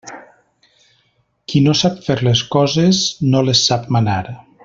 Qui no sap fer les coses no les sap manar.